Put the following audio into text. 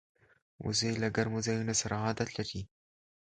وزې له ګرمو ځایونو سره عادت لري